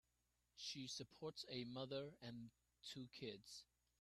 She supports a mother and two kids.